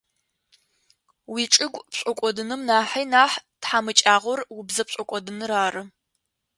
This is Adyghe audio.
Уичӏыгу пшӏокӏодыным нахьи нахь тхьамыкӏагъор убзэ пшӏокӏодыныр ары.